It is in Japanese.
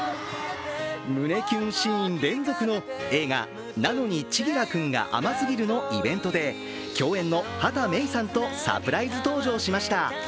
胸キュンシーン連続の映画「なのに、千輝くんが甘すぎる」のイベントで共演の畑芽育さんとサプライズ登場しました。